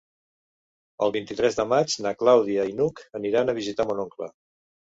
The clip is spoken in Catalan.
El vint-i-tres de maig na Clàudia i n'Hug aniran a visitar mon oncle.